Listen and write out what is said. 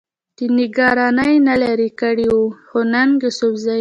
د نګرانۍ نه لرې کړو، نو ننګ يوسفزۍ